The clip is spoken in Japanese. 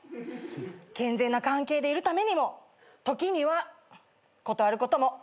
健全な関係でいるためにも時には断ることも大事なの。